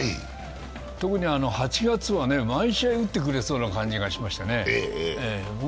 特に８月は毎試合打ってくれそうな感じがしましたね。